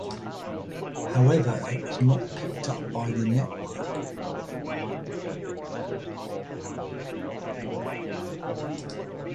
However, it was not picked up by the network.